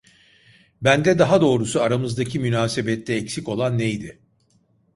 Bende, daha doğrusu aramızdaki münasebette eksik olan neydi?